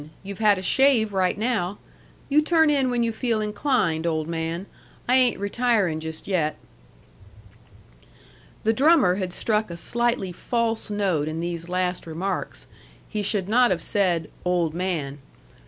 You've had a shave right now. You turn in when you feel inclined, old man! I ain't retiring just yet." The drummer had struck a slightly false note in these last remarks. He should not have said "old man."